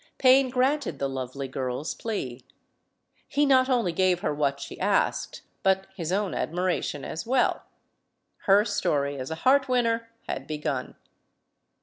Payne granted the lovely girl's plea. He not only gave her what she asked, but his own ad miration as well. Her story as a heart winner had begun.